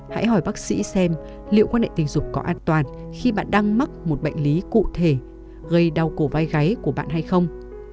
hãy hỏi bác sĩ xem liệu quan hệ tình dục có an toàn khi bạn đang mắc một bệnh lý cụ thể gây đau cổ vai gáy của bạn hay không